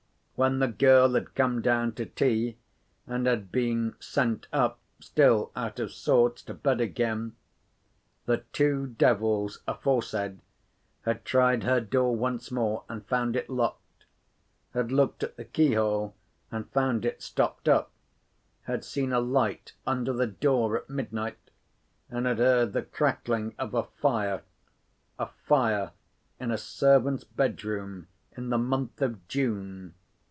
When the girl had come down to tea, and had been sent up, still out of sorts, to bed again, the two devils aforesaid had tried her door once more, and found it locked; had looked at the keyhole, and found it stopped up; had seen a light under the door at midnight, and had heard the crackling of a fire (a fire in a servant's bedroom in the month of June!)